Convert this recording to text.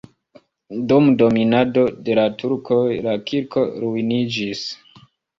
Dum dominado de la turkoj la kirko ruiniĝis.